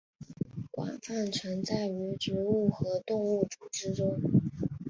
广泛存在于植物和动物组织中。